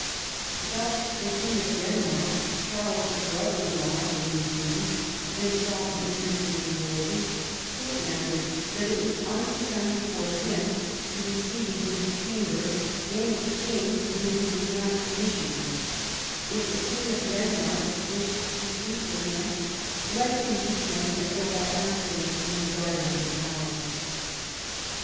Thus, the King of Denmark, Charles's brother in law, was in Bruges, and sought an interview with Wolsey, who answered that it was unbecoming for him to receive in V THE CJONFERENOE OF CALAIS 79 his chamber any king to whom he was not commis sioned ; if the King of Denmark wished to speak with him, let him meet him, as though by accident, in the garden of the palace.